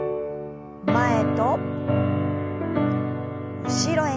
前と後ろへ。